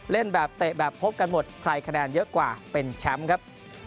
เล่นแบบเตะแบบพบกันหมดใครคะแนนเยอะกว่าเป็นแชมป์ครับ